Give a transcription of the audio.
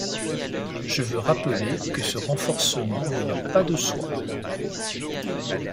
Je veux rappeler que ce renforcement ne va pas de soi.